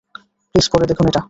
Please, পড়ে দেখুন এটা!